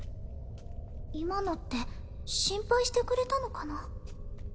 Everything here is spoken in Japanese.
今のって心配してくれたのかな